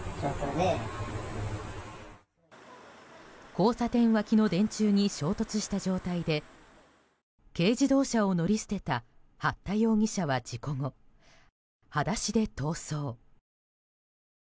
交差点脇の電柱に衝突した状態で軽自動車を乗り捨てた八田容疑者は事故後、裸足で逃走。